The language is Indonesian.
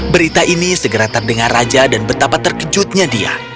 berita ini segera terdengar raja dan betapa terkejutnya dia